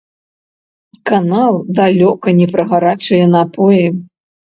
Канал далёка не пра гарачыя напоі.